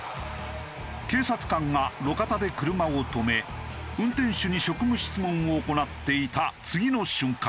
警察官が路肩で車を止め運転手に職務質問を行っていた次の瞬間。